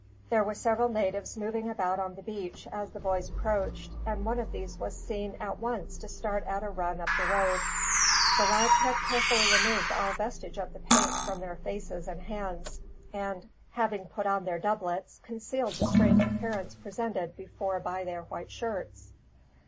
There were several natives moving about on the beach as the boys approached, and one of these was seen, at once, to start at a run up the road. The lads had carefully removed all vestige of the paint from their faces and hands and, having put on their doublets, concealed the strange appearance presented before by their white shirts.